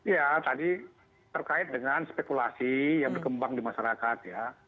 ya tadi terkait dengan spekulasi yang berkembang di masyarakat ya